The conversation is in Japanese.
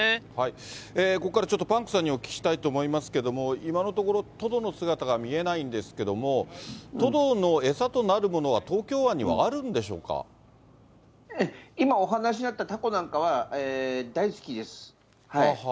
ここからはちょっと、パンクさんにお聞きしたいと思いますけれども、今のところ、トドの姿が見えないんですけども、トドの餌となるものは、今、お話にあったタコなんかは大好きです。